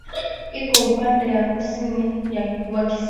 Iko upande wa kusini wa kisiwa.